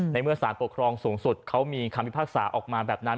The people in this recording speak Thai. เมื่อสารปกครองสูงสุดเขามีคำพิพากษาออกมาแบบนั้น